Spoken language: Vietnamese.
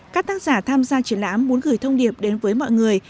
các tác giả tham gia triển lãm muốn gửi thông điệp đến với mọi người